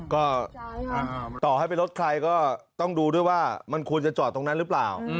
ก็ต่อให้เป็นรถใครก็ต้องดูด้วยว่ามันควรจะจอดตรงนั้นหรือเปล่า